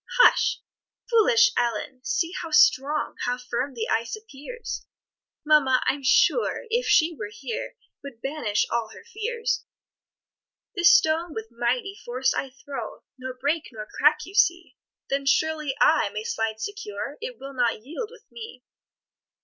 "Hush! foolish Ellen, see how strong, How firm the ice appears: Mamma, I'm sure, if she were here, Would banish all her fears. "This stone with mighty force I throw, Nor break, nor crack you see; Then surely I may slide secure, It will not yield with me."